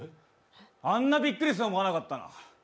あんなびっくりすると思わなかったな。